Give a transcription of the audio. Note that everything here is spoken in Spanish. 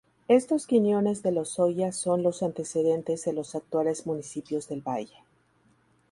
Estos quiñones de Lozoya son los antecedentes de los actuales municipios del valle.